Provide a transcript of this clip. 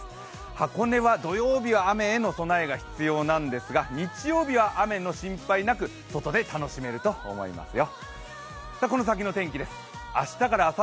箱根は土曜日は雨への備えが必要なんですが、日曜日は雨の心配なく、外で楽しめると思いますよ。